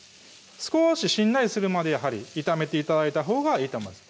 少ししんなりするまでやはり炒めて頂いたほうがいいと思います